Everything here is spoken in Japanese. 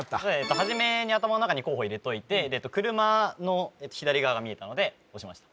初めに頭の中に候補入れといて車の左側が見えたので押しました